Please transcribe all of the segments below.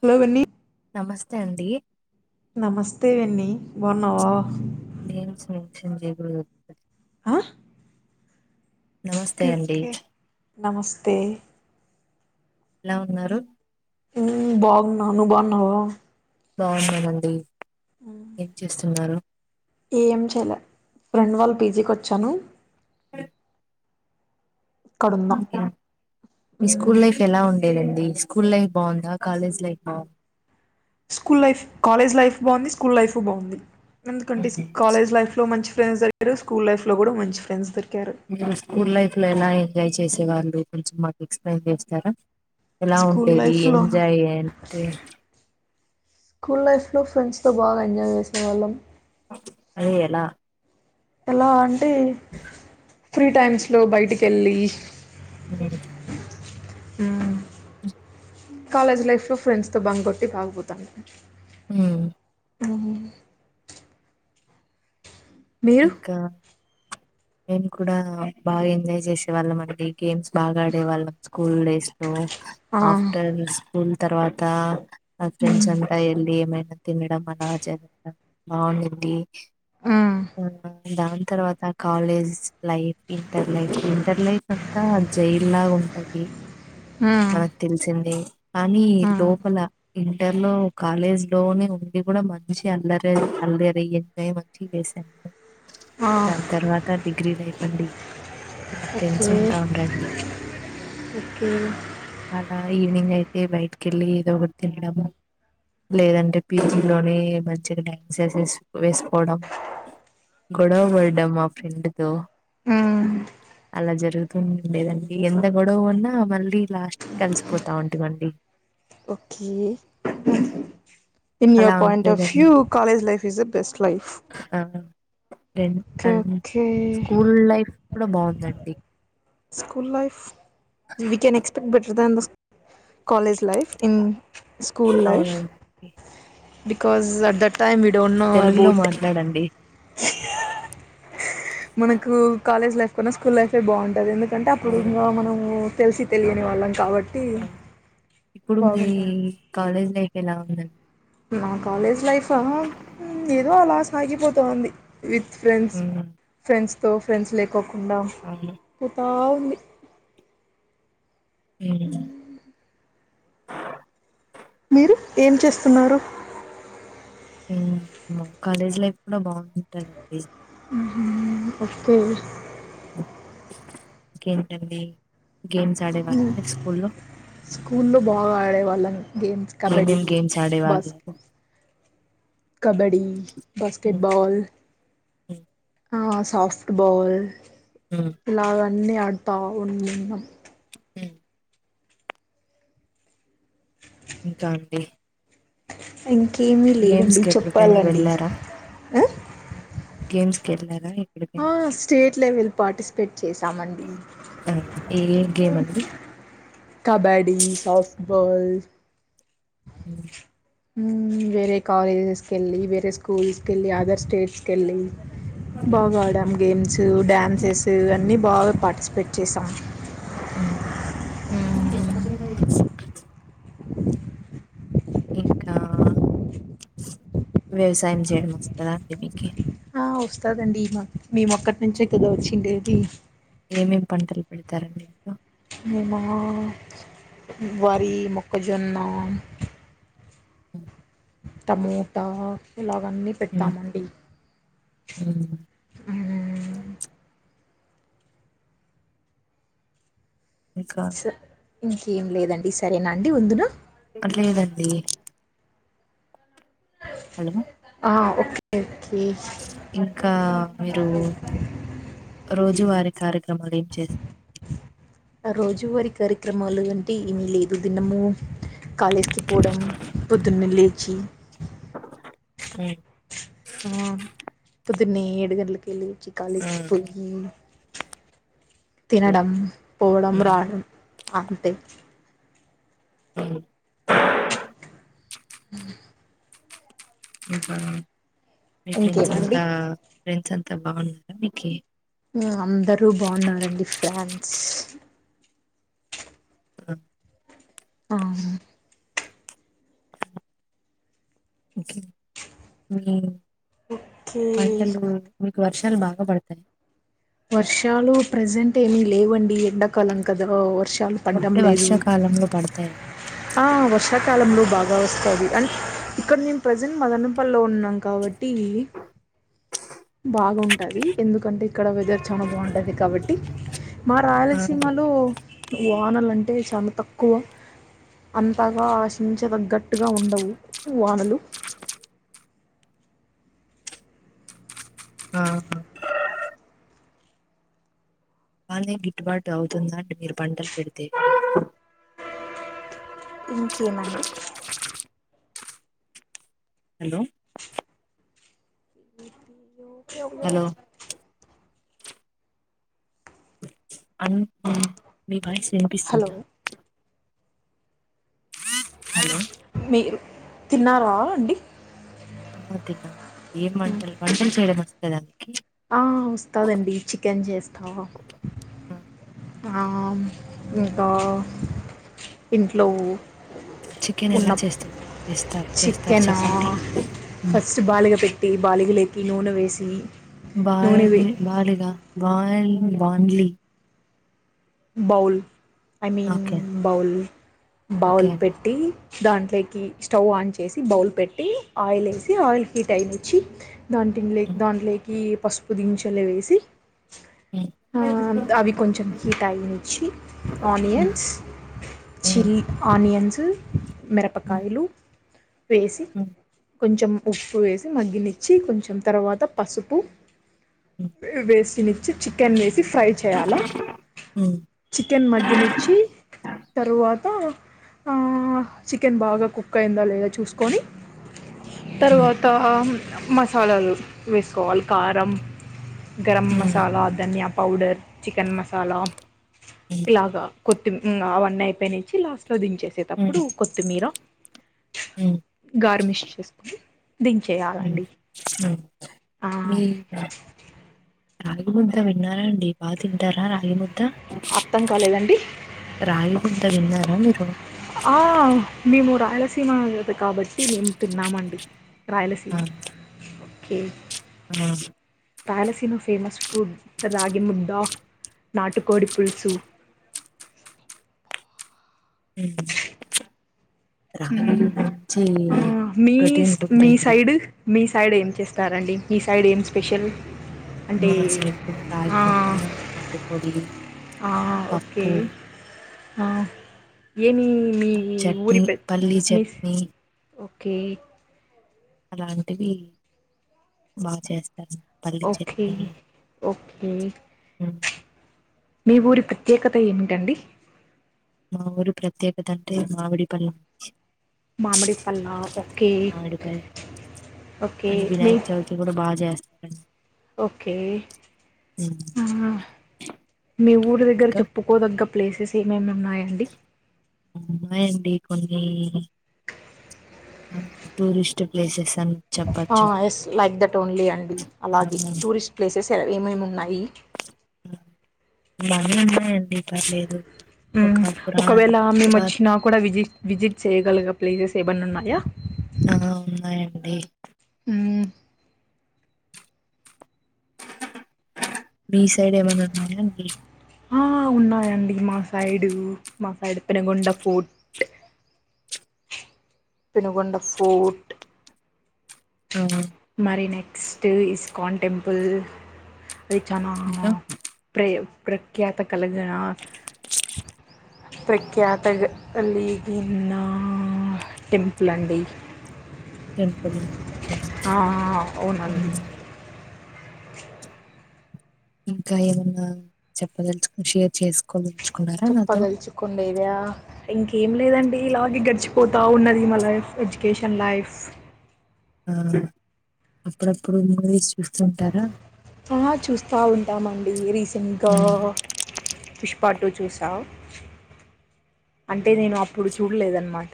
Hello విన్నీ తే అండి నమస్తే యెన్నీ బావున్నావా నేమ్స్ మెన్షన్ చేయకూడదు ఆ నమస్తే ఓకే అండి ఓకే నమస్తే ఎలా ఉన్నారు హ్మ్ బాగున్న నువ్ బావున్నావా బావున్నానండి ఏం చేస్తున్నారు ఏం చేయలే ఫ్రెండ్ వాళ్ళ పీజీకి వచ్చాను ఇక్కడున్నా ఒకే మీ స్కూల్ లైఫ్ ఎలా ఉం లేదండి స్కూల్ లైఫ్ బావుందా కాలేజ్ లైఫ్ బాగు స్కూల్ లైఫ్ కాలేజ్ లైఫ్ బావుంది స్కూల్ లైఫు బావుంది ఎందుకంటే కాలేజ్ లైఫ్ లో మంచి ఫ్రెండ్స్ అయ్యారు స్కూల్ లైఫ్లో కూడా మంచి ఫ్రెండ్స్ దొరి హ్మ్ స్కూల్ లైఫ్ లో ఎలా ఎం జాయ్ చేసే వాళ్ళు కొంచెం మాకు ఎక్స్ప్లెయిన్ చేస్తారా ఎలా స్కూల్ ఉండేవి లైఫ్లో ఎంజాయ్ అంటే ల్ ఫ్రెండ్స్తో బాగా ఎంజాయ్ చేసేవాళ్ళం అది ఎలా ఎలా అంటే ఫ్రీ టైమ్స్ లో బయటికెళ్ళి హ్మ్ హ్మ్ కాలేజ్ లైఫ్లో ఫ్రెండ్స్ తో బంక్ గొట్టి బాగపోత హ్మ్ ఆ మీరు ఇంకా మేము కూడా బాగా ఎంజాయ్ చేసే వాళ్ళమండి గేమ్స్ బాగా ఆడేవాళ్ళం స్కూల్ డేస్ లో ఆ ఆఫ్టర్ నూన్ తర్వాత ఆ మ్మ్ ఫ్రెండ్స్ అంతా ఎల్లి ఏమ తినడమ నా జన బాగుండింది మ్మ్ ఆ దాని తర్వాత college life inter life inter life అంతా జైల్ లాగా ఉంటుంది మ్మ్ మనకు తెలిసింది కానీ మ్మ్ లోపల ఇంటర్ లో కాలేజ్ లోనే ఉండి కూడా మంచి అల్లరి అల్దర ఎంజాయ్ మంచి చేస్త ఓే ఆ దాని తర్వాత డిగ్రీల అండి మా ఓకే ఫ్రెండ్స్ ఉంటా ఉండ రండి ఓకే అలా ఈవినింగ్ అయితే ఏ బయటికి వెళ్ళి ఏదో ఒకటి తినడం లేదంటే పీజీలోనే మంచిగా డ్యాన్స్స వేసుకోవడం గొడవ పడ్డం మా ఫ్రెండ్ త మ్మ్ అలా జరుగుతుండేదండి ఎంత గొడవ ఉన్నా మళ్ళీ లాస్ట్ కి కలిసిపోతా ఉంటామండి పక్షీ ఇన్ యర్ అలా పాయింట్ ఆఫ్ ఉండేదండి view college life is a best life రం okay and okay school life కూడా బాగుందండి school life we can expect better than the స్ college life in school life అవునండి బికాజస్ దట్ ట విడౌనా తెలుగులో బూట మాట్లాడండి మనకు కాలేజ్ లైఫ్ కూడాన్నా స్కూల్ లైఫ్ బాగుంటుంది కద కంటే అప్పుడు అవును ఇంగా మనము తెల్సి తెల్యని వాళ్ళం కాబట్ట్ ఆ ఇప్పుడు మీ కాలేజ్ లైఫ్ ఎలావుందండి నా కాలేజ్ లైఫా హుమ్ ఏదో అలా సాగిపోతుంది విత్ ఫ్రెండ్స్ మ్మ్ ఫ్రెండ్స్ తో ఫ్రెండ్స్ లే క్ పోకుండా అవును పోతావ్ మి మ్ మీరు ఏమ్ చేస్తున్నారు మ్ మా కాలేజ్ లైఫ్ కూడా బావుంటదండి మ్ ఒకే ఇంకేంటండి గేమ్స్ ఆడేవాళ్ళ హ్మ్ మీరు స్కూల్లో స్కూల్లో బాగాడేవాళ్ళమ్ గేమ్స్ కబడి ఏమేం గేమ్స్ ఆడేవాళ్ళు బాస్క్ కబడి బాస్కెట్బాల్ మ్ ఆ సాఫ్ట్ బాల్ హ్మ్. లవన్ అన్ని అడ్తా ఉన్నింనమ్ హ్మ్. ఇంకా అండి ఇన్ ఇంకేమి గేమ్స్ లేదండి కి ఎక్కడికైనా చెప్పాలండి వెళ్ళారా హ గేమ్స్ ఎలారా ఆ స్టేట్ లెవెల్ పార్టిస్పేట్ చేసామన్డి ఆ! ఏ ఏ గేమ్ అండి కబడీ సాఫ్ట్ బాల్ హ్మ్ హ్మ్ వేరే కాలేజెస్కెలి వేరే స్కూల్స్కెళ్లి అదర్ స్టేట్స్కెళ్లి హ్మ్. బాగా ఆడామ్ గేమ్సు డాన్స్స్ అన్నీ బాగా పార్టిస్పే పె చేసాం హ్మ్ [unintelligible] ఇంకా వ్యవసాయమ్ చేయడమ్ వస్తదా మీకి ఆ వస్తదండి మా మేము అక్కడ్నుంచే కదా వచ్చిండేది ఏమేమ్ పంటలు పెడతారండి మీరు మేమా వరి మొక్కజొన్న హ్మ్ టమోటా ఇలా గ్ అన్ని హ్మ్. పెడ్తామండి హ్మ్. హ్మ్ ఇంకా స ఇంకేం లేదండి సరేనా అండి ఉందున లేదండి హలో ఆ ఓకే ఓకే ఇంకా మీరూ రోజువారి కార్యక్రమాలు ఏం చేస్ ఆ రోజువారి కార్యక్రమాలు అంటే ఏమ్ లేదు దిన్నము కాలేజ్కి పోడం పొద్దున్నె లేచి హ్మ్ ఆ పొద్దున్నే ఏడు గంటలకి లే చ్చి కాలేజ్కి హ్మ్. పొయ్యి హలో తినడం పోడం హ్మ్. రాడం అంతే హ్మ్ [inaudible] ఉ ఉ మీ ఫ్రెండ్స్ ఇంకేమండి అంతా ఫ్రెండ్స్ అంత్ త బావున్నారా మీకి ఉమ్ అందరూ బాన్నారండి ఫ్యాన్స్ ఆ ఆ ఇంకేం ఏం ఒకే వర్షాలు బాగా పడతాయ్ వర్షాలు ప్రెజెంట్ ఏం లేవండి ఎండాకాలం కదా వర్ష్ లు పడ్డం ఒట్టి లేదు వర్షాకాలంలో పడతాయా ఆ వర్షాకాలంలో బాగా వస్తాది అండ్ ఇక్కడ మేము ప్రెజెంట్ మదనపల్లో ఉన్నాం కావట్టీ బాగుంటదీ ఎందుకంటే ఇక్కడ వెదర్ చానా బాంటది కాబట్టి మా ఆ రాయలసీమలో వానలంటే చానా తక్కువ అంతగా ఆశించ దగ్గట్టుగా ఉండవు వానలు ఆ బానే గిట్టుబాటు అవుతుందాండి మీరు పంటలు పెడితే ఉమ్ ఏమండీ హలో కెవ్ యో హలో అన్ మీ వాయిస్ హలో ఇనిపిస్తుందా హలో మీరు తిన్నారా అండి ఆ తిన్నాం ఏం వంటలు వంటలు చేయడం వస్ ద దాన్కి ఆ వస్తాదండి చికెన్ చేస్తా ఆ ఇంకా ఇంట్లో చికెన్ ఉన్న ఎలా చేస్తున్నారు చేస్తారు చేస్తారు చికెనా చెప్పండి ఉమ్. ఫస్ట్ బాలిగ పెట్టి బాలిగ లే ఈ నూనె వేసి బాయ నూనె వే బాలిగా బాయల్ బాండ్లి bowl I mean okay bowl okay bowl అండి పెట్టి దాంట్లేకి స్టవ్ ఆన్ చేసి బౌల్ పెట్టి ఆయిల్ ఏసి ఆయిల్ హీటయినిచ్చి దాంటిల్లే హ్మ్. దాంట్లేకి పసుపు దించలే వేసి హ్మ్. ఆ అవి కొంచెం కి టైం ఇచ్చి హ్మ్. ఆనియన్స్ హ్మ్. చిల్లీ ఆనియన్స్ హ్ హ్మ్. మిరపకాయలు వేసి హ్మ్. కొంచెం ఉప్పు వేసి మగ్గనిచ్చి కొంచెం తర్వాత పసుపు హ్మ్. వేసి చ్చి చికెన్ వేసి ఫ్రై చేయాలా హ్మ్. చికెన్ మగ్గనిచ్చి తర్వా వాత ఆ చికెన్ బాగా కుక్ అయిందా లేదా చూసుకోని హ్మ్. తర్వాత ఆ మసాలాలు వేసుకోవాలి కారం గరం హ్మ్. మసాలా ధన్య పౌడర్ చికెన్ మసాలా హ్మ్. ఇలాగా కొత్తి అవన్నీ అయిపోనిచ్చి లాస్ట్ హ్మ్. లోధించేసేటప్పుడు కొత్తిమీర హ్మ్. గార్మిష్ చేసుకుని దించేయాలండి ఆ మీ కాగుంత వినారాయణ బా తింటారా రగి ముద్ద అర్థం కాలేదండి రగి ముద్ద త విన్నారా మీరు ఆ మేము రాయలసీమ కాబట్టి మేము తిన్నామండి ఆ! రాయలసీమ ఓకే ఆ ప్యాలసినో ఫేమస్ ఫుడ్ రాగి ముడ్ద్ద నాటుకోడి పులుసు అ రాగి ఉమ్ నుంచి ఆ మీ ప్రొటీన్ స్- ఫుడ్ మీ అండి సైడ్ మీ సైడ్ ఏం చేస్తారండి మీ సైడ్ ఏం స్పెషల్ అంటే మా సరుకుడ రయి ఆ ముత్త పాకు పొడిలి ఓకే ఏమి మీ ఊరి చట్నీ, ప్ర పల్లీ మీస్ చట్నీ ఓకే ఒకే అలాంటివి బాగా చేస్తా ఓకే ఓకే హ్మ్. మీ ఊరి ప్రత్యేకత ఏమిటండి మా ఊరు ప్రత్యేక తండ్రి మావిడి పలం మామిడి పల్లా ఓకే మామిడి పళ్ళు ఓకే అండ్ మీ వినాయక చవితి కూడా బాగా చేస్తారండి ఓకే ఆ మీ ఊరి దగ్గర ఇంకా చెప్పుకోదగ్గ ప్లేసెస్ ఏమేమి ఉన్నాయాండి ఉన్నాయ్ అండి కొన్ని అ టూరిస్ట్ ప్లేసెస్ అని ఆ చెప్పచ్చు ఎస్ లైక్ దట్ ఓన్లీ అండి ఆ అలాగే టూరిస్ట్ ప్లేసెస్ తెర ఏమేమున్నాయి [unintelligible] ఒక మ్ పురా ఒకవేళ మేము పురా వచ్చినా కూడా విజిట్ విజిట్ చేయగలగా ప్లీజెస్ ఏబన్న ఉన్నాయా ఆ ఉన్నాయండి మ్ మీ సైడ్ ఏమన్న ఉన్నాయా అండి ఆ ఉన్నాయండి మా సైడు మా side Penagonda fort Penugonda fort ఆ మారి నే క్స్ట్ ఈస్కాన్ టెంపుల్ అది చానా ఇంకా ప్రేయో ప్రఖ్యాత కలగణ ప్రఖ్యాత అలిగిన్న టెంపుల్ అండి టెంపులు ఆ అవునండి ఇంకా ఏమన్నా చెప్పదలుచుకుని షేర్ చేసుకోల చెప్పదలుచుకుండేదయా ఇంకేం లేదండి ఇలాగే గడిచి పోతా ఉన్నది మా లైఫ్ ఎడ్యుకేషన్ లైఫ్ ఆ అప్పుడప్పుడు మ చూస్తుంటారా కా ఉంటామండి రీ సింఘ ఉమ్ పుష్పాటుూ చూసావు అ అంటే నేను అప్పుడు చూడలేదనమాట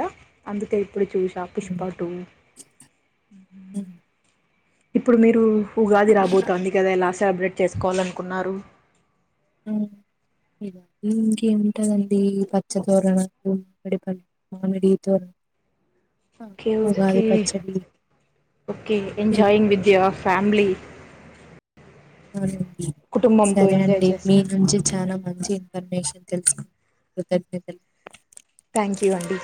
అందు కై ఇప్పుడు చూసా పుష్ప టు అ ఇప్పుడు మీరు ఉగాది రాబోతాంది కదా ఇలా సెలబ్రేట్ చేసుకోవాలనుకున్నారు ఇంకేము ఉంటదండి పచ్చ తోరణం మామిడి ప మామిడి తోరణం ఓకే ఓకే ఓకే ఇలా ఎంజాయింగ్ విత్ యువర్ ఫ్యామిలీ [inaudible] కుటుంబంతో సరే ఎంజాయ్ అండి మీ చేస్తండి నుంచి చాలా మంచి ఇన్ఫర్మేషన్ తెలుసు కృతజ్ఞతలు థ్యాంక్ యూ అండి